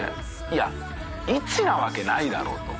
いや１なわけないだろうと。